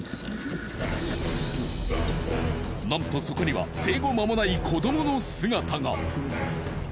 なんとそこには生後間もない子どもの姿が。